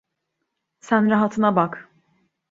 Sen rahatına bak.